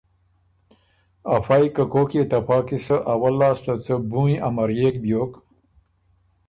افئ که کوک يې ته پا قیصۀ اول لاسته څه بُوںیٛ امريېک بیوک